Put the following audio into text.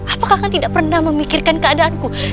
apakah kalian tidak pernah memikirkan keadaanku